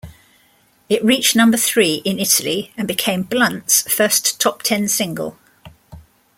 It reached number three in Italy and became Blunt's first top ten single.